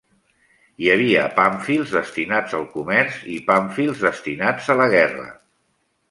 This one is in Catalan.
Hi havia pàmfils destinats al comerç i pàmfils destinats a la guerra.